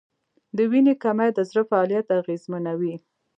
د وینې کمی د زړه فعالیت اغېزمنوي.